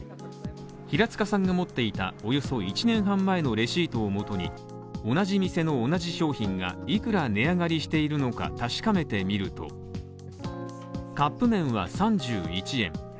平塚さんが持っていたおよそ１年半前のレシートをもとに同じ店の同じ商品がいくら値上がりしているのか確かめてみると、カップ麺は３１円